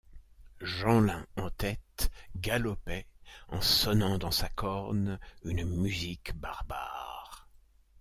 Jeanlin, en tête, galopait en sonnant dans sa corne une musique barbare.